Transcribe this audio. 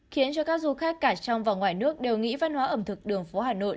khiến cho các du khách cả trong và ngoài nước đều nghĩ văn hóa ẩm thực đường phố hà nội